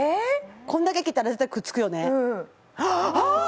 こんだけ切ったら絶対くっつくよねあ！？